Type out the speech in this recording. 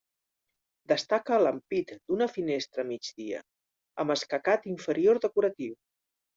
Destaca l'ampit d'una finestra a migdia, amb escacat inferior decoratiu.